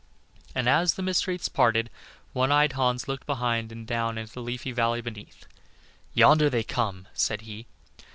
And as the mist wreaths parted One eyed Hans looked behind and down into the leafy valley beneath. "Yonder they come," said he.